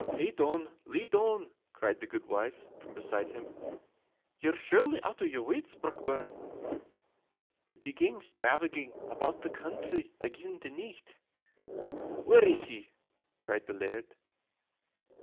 "Lie doun, lie doun," cried the gudewife from beside him. "Ye're surely out o' your wuts, Brockburn. Would ye gang stravaging about the country again the nicht?" "Where is he?" cried the Laird.